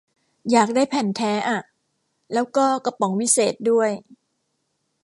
อยากได้แผ่นแท้อะ แล้วก็กระป๋องวิเศษด้วย